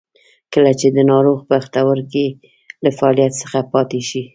کله چې د ناروغ پښتورګي له فعالیت څخه پاتې شي.